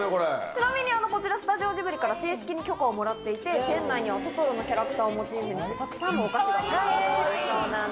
ちなみにこちらスタジオジブリから正式に許可をもらっていて店内にはトトロのキャラクターをモチーフにしたたくさんのお菓子が並んでいるそうなんです。